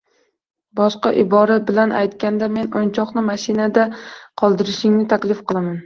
Boshqa ibora bilan aytganda: Men o‘yinchoqni mashinada qoldirishingni taklif qilaman.